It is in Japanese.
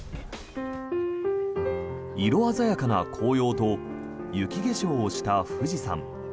色鮮やかな紅葉と雪化粧をした富士山。